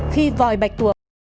khi vòi bạch tuộc